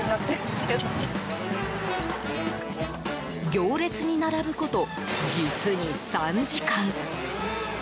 行列に並ぶこと、実に３時間。